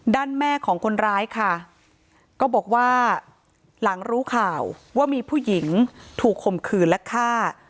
ด้านแม่ของคนร้ายค่ะก็บอกว่าหลังรู้ข่าวว่ามีผู้หญิงถูกข่มขืนและฆ่า